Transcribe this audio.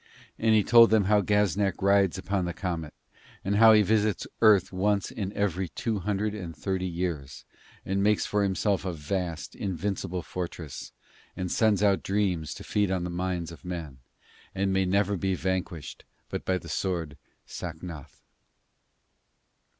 And he told them how Gaznak rides upon the comet, and how he visits Earth once in every two hundred and thirty years, and makes for himself a vast, invincible fortress and sends out dreams to feed on the minds of men, and may never be vanquished but by the sword Sacnoth.